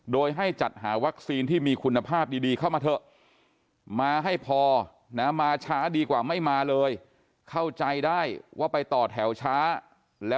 โดยให้จัดหาวัคซีนที่มีคุณภาพดีเข้ามาเถอะ